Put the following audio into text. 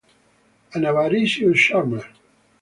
An avaricious charmer.